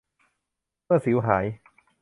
เมื่อสิวหาย